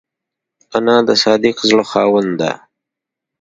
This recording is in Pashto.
انا د صادق زړه خاوند ده